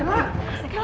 masa kek lo